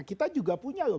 kita juga punya loh